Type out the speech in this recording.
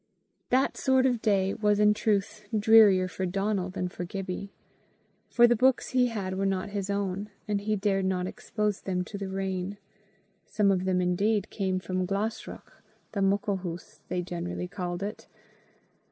That sort of day was in truth drearier for Donal than for Gibbie, for the books he had were not his own, and he dared not expose them to the rain; some of them indeed came from Glashruach the Muckle Hoose, they generally called it!